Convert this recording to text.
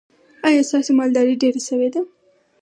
ایا ستاسو مالداري ډیره شوې ده؟